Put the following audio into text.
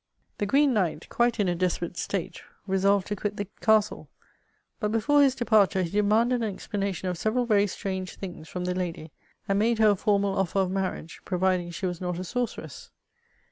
^< The Green Knight, quite in a desperate state, resolved to quit the castle ; but before his departure he demanded an ex planation of several very strange things from the lady, and made her a formal offer of marriage, providing she was not a sorceress."